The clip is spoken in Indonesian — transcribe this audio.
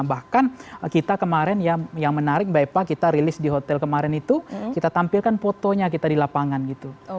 bahkan kita kemarin yang menarik mbak eva kita rilis di hotel kemarin itu kita tampilkan fotonya kita di lapangan gitu